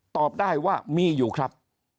ตอบได้ว่ามีอยู่ครับ